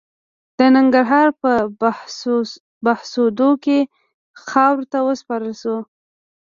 د ننګرهار په بهسودو کې خاورو ته وسپارل شو.